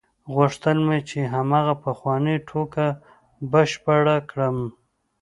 غوښتل مې چې هماغه پخوانۍ ټوکه بشپړه کړم.